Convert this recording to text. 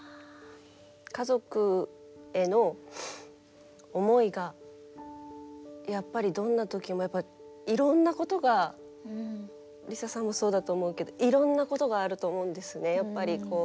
家族への思いがやっぱりどんな時もやっぱりいろんなことがＬｉＳＡさんもそうだと思うけどいろんなことがあると思うんですね。